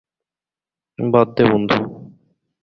বাদ দে, বন্ধু।